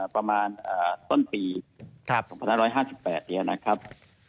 ประมาณต้นปี๒๕๕๘นี้นะครับ